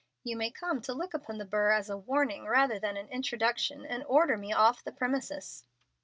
You may come to look upon the burr as a warning, rather than an introduction, and order me off the premises."